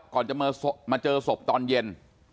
ก่อนจะมาเจอศพตอนเย็น